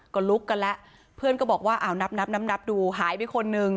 ก็ลุกกันแล้วเพื่อนก็บอกว่าอ้าวนับนับดูหายไปคนนึง